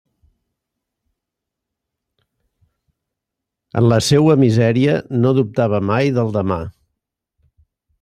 En la seua misèria, no dubtava mai del demà.